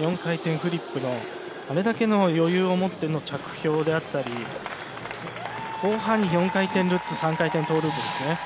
４回転フリップのあれだけの余裕を持っての着氷であったり後半に４回転ルッツ３回転トウループですね。